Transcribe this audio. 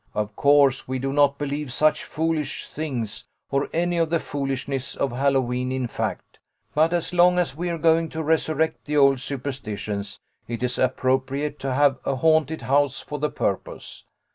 Of course we do not believe such foolish things, or any of the foolishness of Hallowe'en in fact, but as Jong as we're going to resurrect the old superstitions, it is appropriate to have a haunted house for the purpose.